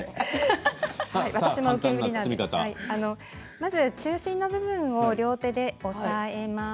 まず中心の部分を両手で押さえます。